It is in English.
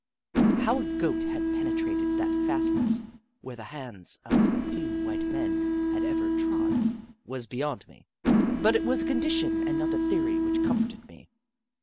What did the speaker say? How a Goat had penetrated that fastness, where the hands of few white men had ever trod, was beyond me, but it was a condition and not a theory which confronted me.